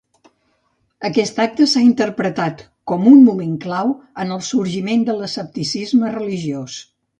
Aquest acte s'ha interpretat com un moment clau en el sorgiment de l'escepticisme religiós.